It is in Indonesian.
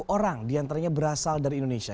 dua puluh orang diantaranya berasal dari indonesia